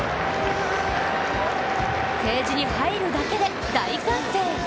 ケージに入るだけで大歓声。